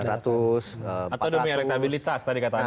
atau demi elektabilitas tadi kata anda ya